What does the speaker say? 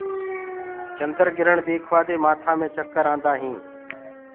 چنڊگِرڻ ديکوآ دي مآٿآ مي چڪر آندآ هينٚ۔